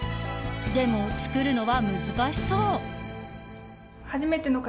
でも、作るのは難しそう。